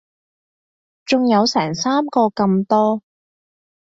仲有成三個咁多